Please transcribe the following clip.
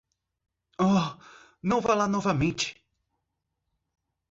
Oh, não vá lá novamente.